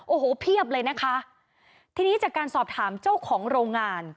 โอ้โหเพียบเลยนะคะทีนี้จากการสอบถามเจ้าของโรงงาน